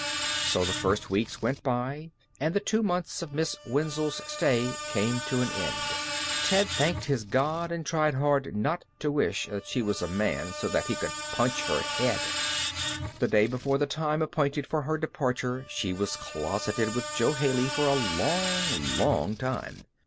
So the first weeks went by, and the two months of Miss Wenzel's stay came to an end. Ted thanked his God and tried hard not to wish that she was a man so that he could punch her head. The day before the time appointed for her departure she was closeted with Jo Haley for a long, long time.